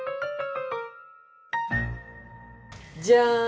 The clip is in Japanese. じゃん！